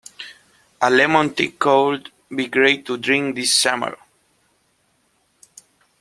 A lemon tea could be great to drink this summer.